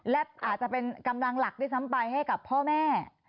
และอาจจะเป็นกำลังหลักด้วยซ้ำไปให้กับพ่อแม่